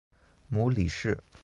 母李氏。